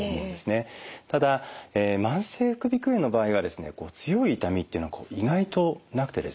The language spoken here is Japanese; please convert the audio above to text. ただ慢性副鼻腔炎の場合はですね強い痛みっていうのは意外となくてですね